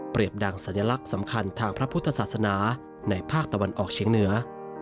ดังสัญลักษณ์สำคัญทางพระพุทธศาสนาในภาคตะวันออกเฉียงเหนือ